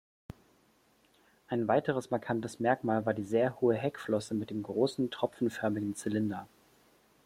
Ein weiteres markantes Merkmal war die sehr hohe Heckflosse mit dem großen tropfenförmigen Zylinder.